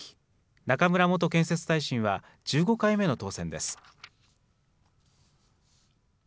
中村元建設大臣は１５回目の当選です。